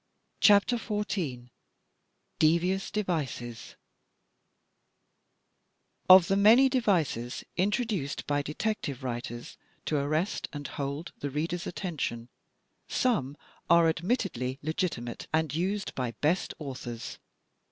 CHAPTER XIV DEVIOUS DEVICES Of the many devices introduced by detective writers to arrest and hold the readers' attention, some are admittedly legitimate and used by best authors.